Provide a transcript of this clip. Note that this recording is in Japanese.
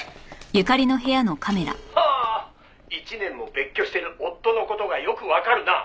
「ほう１年も別居してる夫の事がよくわかるな」